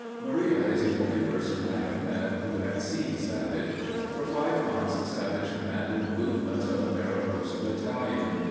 Maria is the only person I have met who had seen Savage. For five months Savage commanded the movements of the Mariposa Battalion.